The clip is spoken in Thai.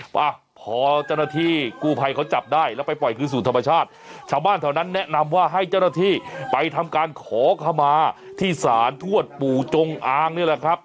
อ่ะพอเจ้าหน้าที่กู้ภัยเขาจับได้แล้วไปปล่อยคืนสู่ธรรมชาติชาวบ้านแถวนั้นแนะนำว่าให้เจ้าหน้าที่ไปทำการขอขมาที่ศาลทวดปู่จงอางนี่แหละครับ